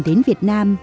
đến việt nam